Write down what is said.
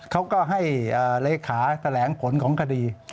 เขาก็ให้เลขาแถลงผลของคดี